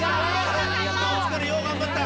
よう頑張った。